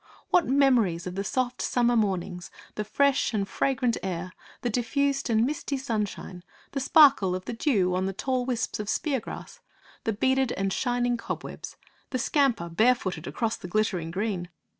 What memories of the soft summer mornings; the fresh and fragrant air; the diffused and misty sunshine; the sparkle of the dew on the tall wisps of speargrass; the beaded and shining cobwebs; the scamper, barefooted, across the glittering green!